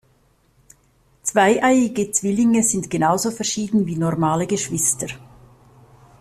Zweieiige Zwillinge sind genauso verschieden wie normale Geschwister.